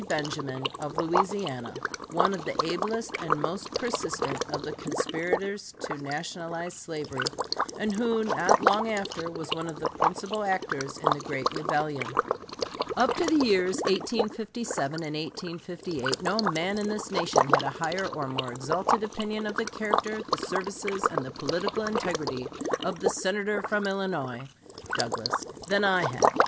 Benjamin, of Louisiana, one of the ablest and most persistent of the conspirators to nationalize slavery, and who, not long after, was one of the principal actors in the great rebellion: Up to the years 1857 and 1858 no man in this nation had a higher or more exalted opinion of the character, the services, and the political integrity of the Senator from Illinois [Douglas] than I had....